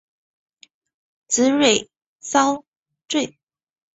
紫蕊蚤缀